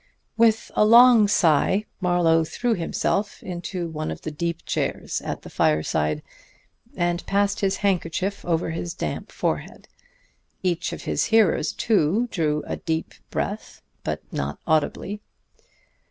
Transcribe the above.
With a long sigh Marlowe threw himself into one of the deep chairs at the fireside, and passed his handkerchief over his damp forehead. Each of his hearers, too, drew a deep breath, but not audibly.